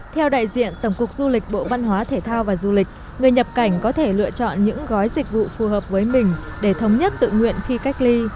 theo đại diện tổng cục du lịch bộ văn hóa thể thao và du lịch người nhập cảnh có thể lựa chọn những gói dịch vụ phù hợp với mình để thống nhất tự nguyện khi cách ly